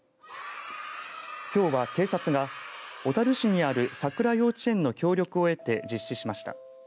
きょうは警察が小樽市にある、さくら幼稚園の協力を得て実施しました。